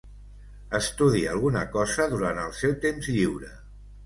Estudia alguna cosa durant el seu temps lliure.